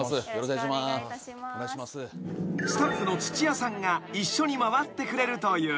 ［スタッフの土屋さんが一緒に回ってくれるという］